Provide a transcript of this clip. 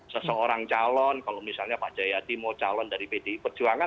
seseorang calon kalau misalnya pak jayadi mau calon dari pdi perjuangan